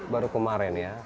baru kemarin ya